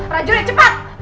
rajul ya cepat